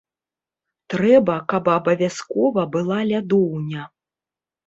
Трэба, каб абавязкова была лядоўня.